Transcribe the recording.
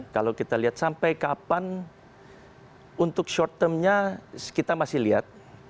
kalau kita lihat sampai kapan untuk short termnya kita masih lihat